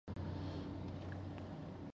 باسواده نجونې د سولې په مذاکراتو کې برخه اخلي.